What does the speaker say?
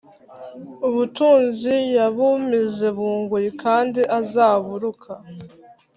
Ubutunzi yabumize bunguri kandi azaburuka